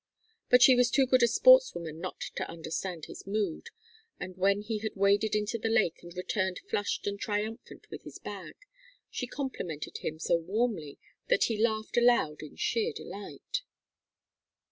But she was too good a sportswoman not to understand his mood, and when he had waded into the lake and returned flushed and triumphant with his bag, she complimented him so warmly that he laughed aloud in sheer delight.